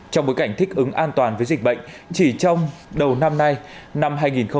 trong bối cảnh thích ứng an toàn với dịch bệnh chỉ trong đầu năm nay năm hai nghìn hai mươi